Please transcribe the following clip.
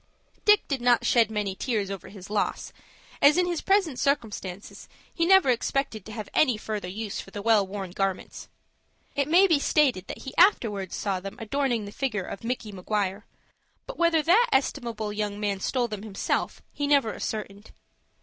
Dick did not shed many tears over his loss, as, in his present circumstances, he never expected to have any further use for the well worn garments. It may be stated that he afterwards saw them adorning the figure of Micky Maguire; but whether that estimable young man stole them himself, he never ascertained.